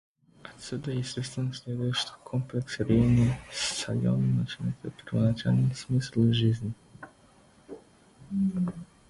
Отсюда естественно следует, что комплекс рения с саленом начинает первоначальный смысл жизни.